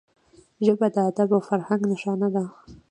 ژبه د ادب او فرهنګ نښانه ده